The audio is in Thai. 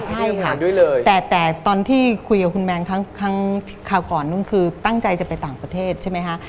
ใช่ค่ะแต่ตอนที่คุยกับคุณแมนครั้งคราวก่อนนู่นคือตั้งใจจะไปต่างประเทศใช่ไหมคะ